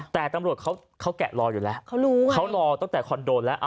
แต่ตำรวจเขาแกะรอยอยู่แล้วเขารู้ค่ะเขารอตั้งแต่คอนโดแล้ว